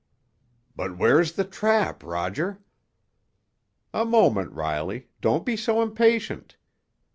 "But where's the trap, Roger?" "A moment, Riley—don't be so impatient.